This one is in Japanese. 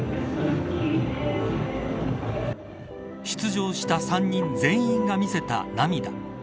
出場した３人全員が見せた涙。